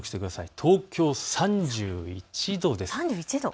東京３１度です。